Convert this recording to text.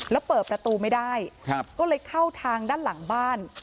แล้วเปิดประตูไม่ได้ก็เลยเข้าทางด้านหลังบ้าน